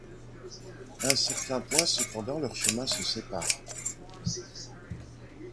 À un certain point, cependant, leurs chemins se séparent.